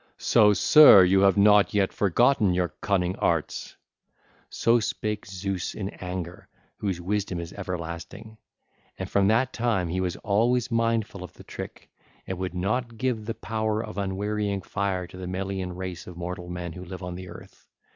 So, sir, you have not yet forgotten your cunning arts!' (ll. 561 584) So spake Zeus in anger, whose wisdom is everlasting; and from that time he was always mindful of the trick, and would not give the power of unwearying fire to the Melian 1621 race of mortal men who live on the earth.